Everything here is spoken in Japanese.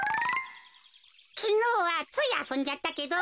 きのうはついあそんじゃったけど。